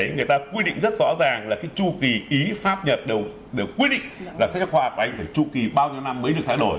người ta quy định rất rõ ràng là cái chu kỳ ý pháp nhật đều quy định là sách giáo khoa của anh phải chu kỳ bao nhiêu năm mới được thay đổi